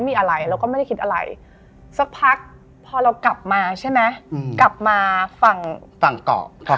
พี่แอ่นนึดชี้นกชี้ไม้เล่นอยู่